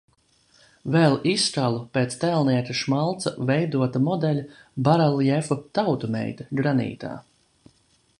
"Vēl izkalu, pēc tēlnieka Šmalca veidota modeļa, bareljefu "Tautu meita", granītā."